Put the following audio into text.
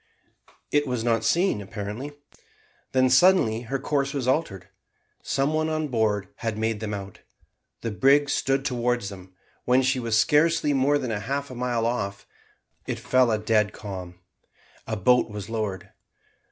It was not seen apparently. Then suddenly her course was altered. Some one on board had made them out. The brig stood towards them. When she was scarcely more than half a mile off, it fell a dead calm. A boat was lowered.